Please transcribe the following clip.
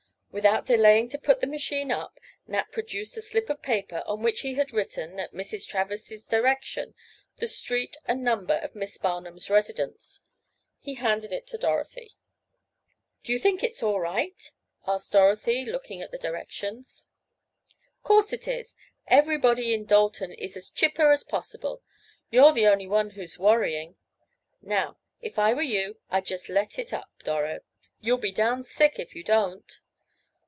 Without delaying to put the machine up, Nat produced a slip of paper upon which he had written, at Mrs. Travers's direction, the street and number of Miss Barnum's residence. He handed it to Dorothy. "Do you think it's all right?" asked Dorothy, looking at the directions. "'Course it is. Everybody in Dalton is as chipper as possible. You're the only one who's worrying. Now, if I were you, I'd just let up, Doro. You'll be down sick if you don't."